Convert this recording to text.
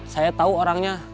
saya tahu orangnya